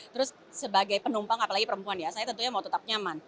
terus sebagai penumpang apalagi perempuan ya saya tentunya mau tetap nyaman